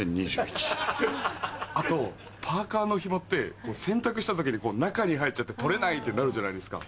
あとパーカのひもって洗濯した時に中に入っちゃって取れないってなるじゃないですか。